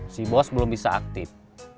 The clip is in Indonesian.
si bos belum bisa aktif